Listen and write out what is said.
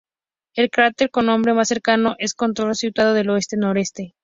El cráter con nombre más cercano es Condorcet, situado al oeste-noroeste.